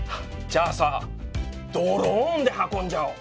じゃあさドローンで運んじゃおう！